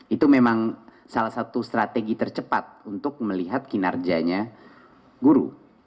itu memang salah satu strategi tercepat untuk melihat kinerjanya guru